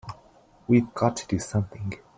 We've got to do something!